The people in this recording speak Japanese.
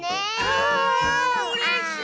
あうれしい！